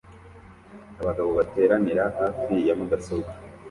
Abagabo bateranira hafi ya mudasobwa